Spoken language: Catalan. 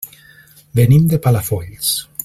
Venim de Palafolls.